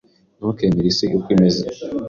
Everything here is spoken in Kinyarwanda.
Ntukemere isi uko imeze.